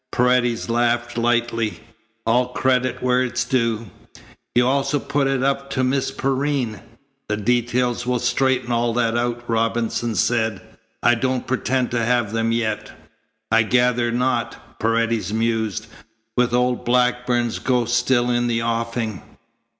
Paredes laughed lightly. "All credit where it is due. You also put it up to Miss Perrine." "The details will straighten all that out," Robinson said. "I don't pretend to have them yet." "I gather not," Paredes mused, "with old Blackburn's ghost still in the offing."